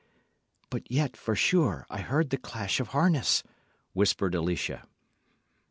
"But yet, for sure, I heard the clash of harness," whispered Alicia.